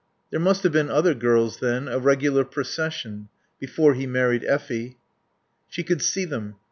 There must have been other girls then. A regular procession. Before he married Effie. She could see them.